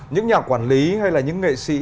những nhà quản lý hay là những nghệ sĩ